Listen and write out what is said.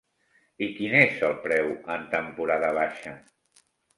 I quin és el preu en temporada baixa?